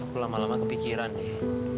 aku lama lama kepikiran deh